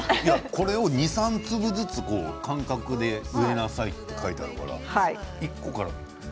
これを２、３粒ずつの間隔で植えなさいって書いてあるから。